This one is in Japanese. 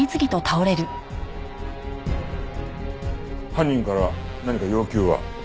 犯人から何か要求は？